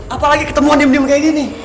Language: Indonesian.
apalagi ketemuan dim diem kayak gini